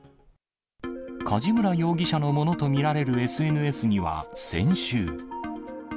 梶村容疑者のものと見られるＳＮＳには、先週。